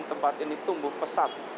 tempat ini tumbuh pesat